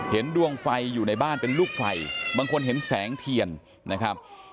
ดวงไฟอยู่ในบ้านเป็นลูกไฟบางคนเห็นแสงเทียนนะครับ